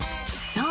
そう！